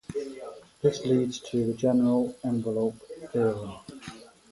This leads to the general envelope theorem.